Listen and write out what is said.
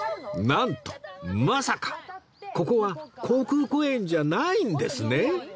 なんとまさかここは航空公園じゃないんですね！